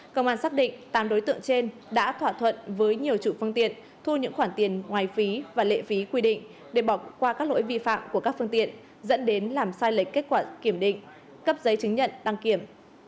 công an xác định tám đối tượng trên đã thỏa thuận với nhiều chủ phương tiện thu những khoản tiền ngoài phí và lệ phí quy định để bỏ qua các lỗi vi phạm của các phương tiện dẫn đến làm sai lệch kết quả kiểm định cấp giấy chứng nhận đăng kiểm